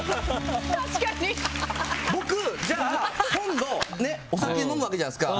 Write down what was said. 僕、じゃあ今度お酒飲むわけじゃないですか。